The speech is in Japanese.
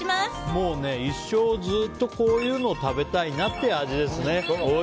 もうね、一生ずっとこういうのを食べたいなって味ですね。